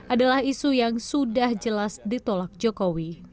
adalah isu yang sudah jelas ditolak jokowi